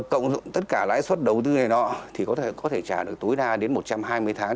cộng tất cả lãi suất đầu tư này nọ thì có thể trả được tối đa đến một trăm hai mươi tháng